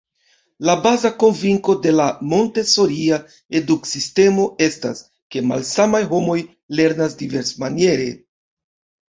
La baza konvinko de la Montesoria eduk-sistemo estas, ke malsamaj homoj lernas diversmaniere.